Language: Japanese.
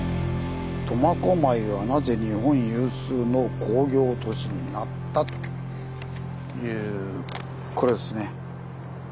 「苫小牧はなぜ日本有数の工業都市になった？」というこれですね。